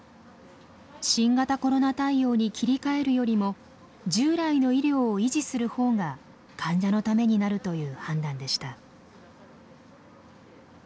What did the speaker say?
新型コロナ対応に切り替えるよりも従来の医療を維持する方が患者のためになるという判断でした。